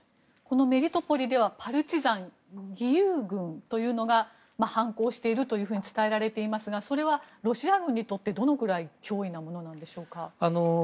メリトポリではパルチザン義勇軍というのが反攻しているというふうに伝えられていますがそれはロシア軍にとってどのくらい脅威なものなんでしょうか。